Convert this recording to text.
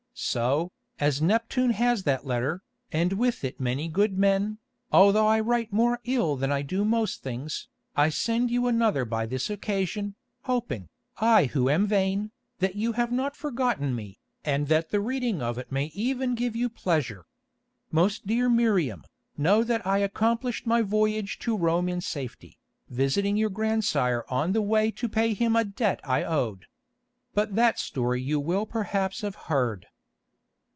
So, as Neptune has that letter, and with it many good men, although I write more ill than I do most things, I send you another by this occasion, hoping, I who am vain, that you have not forgotten me, and that the reading of it may even give you pleasure. Most dear Miriam, know that I accomplished my voyage to Rome in safety, visiting your grandsire on the way to pay him a debt I owed. But that story you will perhaps have heard.